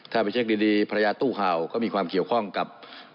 ถ้าไปเช็คดีภรรยาตู้ข่าวก็มีความเกี่ยวข้องกับ